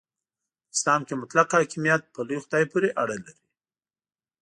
په اسلام کې مطلق حاکمیت په لوی خدای پورې اړه لري.